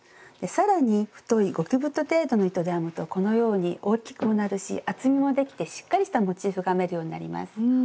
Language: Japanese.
更に太い極太程度の糸で編むとこのように大きくもなるし厚みもできてしっかりしたモチーフが編めるようになります。